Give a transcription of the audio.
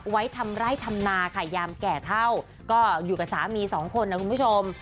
ไว้ทำไร่ทำนาค่ะยามแก่เท่าก็อยู่กับสามีสองคนนะคุณผู้ชม